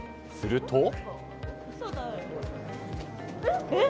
すると。